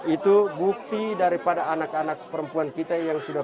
itu bukti daripada anak anak perempuan kita